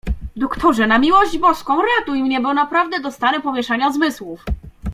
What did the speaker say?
"Doktorze, na miłość Boską, ratuj mnie, bo naprawdę dostanę pomieszania zmysłów!"